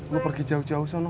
lo pergi jauh jauh sana